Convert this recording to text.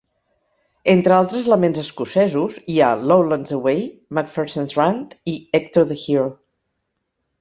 Entre altres laments escocesos hi ha "Lowlands Away", "MacPherson's Rant" i "Hector the Hero".